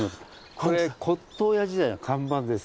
これ骨とう屋時代の看板です。